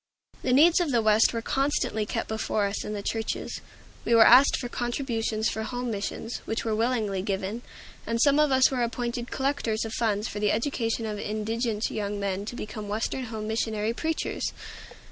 The needs of the West were constantly kept before us in the churches. We were asked for contributions for Home Missions, which were willingly given; and some of us were appointed collectors of funds for the education of indigent young men to become Western Home Missionary preachers.